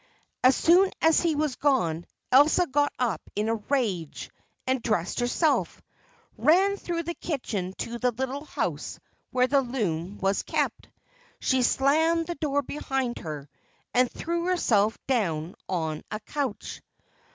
As soon as he was gone, Elsa got up in a rage, and, dressing herself, ran through the kitchen to the little house where the loom was kept. She slammed the door behind her, and threw herself down on a couch.